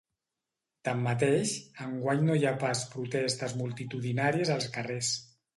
Tanmateix, enguany no hi ha pas protestes multitudinàries als carrers.